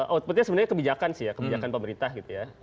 outputnya sebenarnya kebijakan sih ya kebijakan pemerintah gitu ya